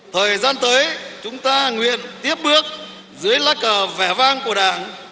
thời gian tới chúng ta nguyện tiếp bước dưới lá cờ vẻ vang của đảng